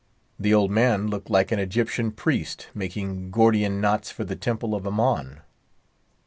The old man looked like an Egyptian priest, making Gordian knots for the temple of Ammon.